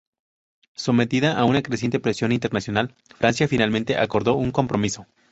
Sometida a una creciente presión internacional, Francia finalmente acordó un compromiso.